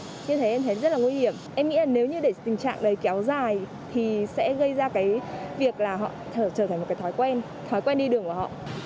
em nghĩ là nếu như để tình trạng đấy kéo dài thì sẽ gây ra cái việc là họ trở thành một cái thói quen thói quen đi đường của họ